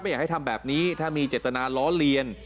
อยากให้ทำแบบนี้ถ้ามีเจตนาล้อเลียน